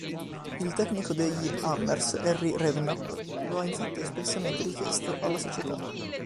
Il tecnico degli "Hammers", Harry Redknapp, lo ha infatti espressamente richiesto alla società.